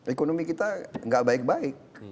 ekonomi kita gak baik baik